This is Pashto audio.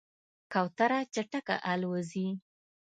کوتره چټکه الوزي.